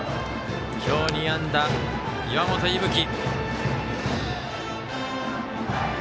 今日２安打、岩本聖冬生。